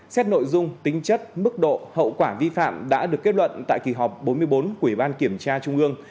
xét nội dung tính chất mức độ hậu quả vi phạm đã được kết luận tại kỳ họp bốn mươi bốn của ủy ban kiểm tra trung ương